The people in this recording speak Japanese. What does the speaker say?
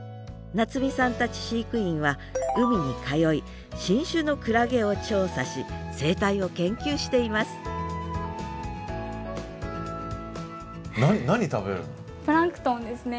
七海さんたち飼育員は海に通い新種のクラゲを調査し生態を研究していますプランクトンですね。